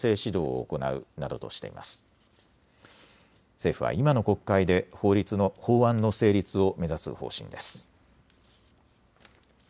政府は今の国会で法案の成立を目指す方針です。